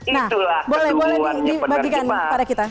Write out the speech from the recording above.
nah boleh boleh dibagikan kepada kita